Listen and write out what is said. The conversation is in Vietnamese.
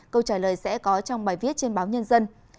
câu trả lời sẽ có trong bài viết trên báo nhân dân